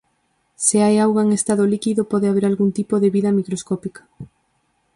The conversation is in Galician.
Se hai auga en estado líquido pode haber algún tipo de vida microscópica.